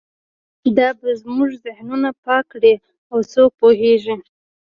دا به زموږ ذهنونه پاک کړي او څوک پوهیږي